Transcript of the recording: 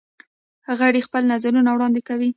غړي خپل نظرونه وړاندې کوي.